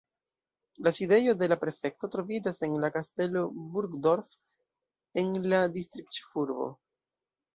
La sidejo de la prefekto troviĝas en la Kastelo Burgdorf en la distriktĉefurbo.